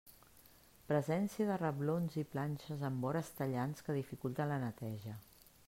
Presència de reblons i planxes amb vores tallants que dificulten la neteja.